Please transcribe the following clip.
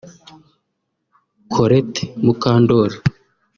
Colette Mukandoli